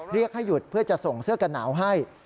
เรียกให้หยุดเพื่อจะส่งเสื้อกันหนาวให้